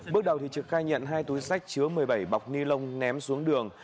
bước đầu trực khai nhận hai túi sách chứa một mươi bảy bọc ni lông ném xuống đường